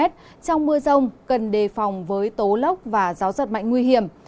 trong mưa rông cần đề phòng với tố lốc và gió giật mạnh nguy hiểm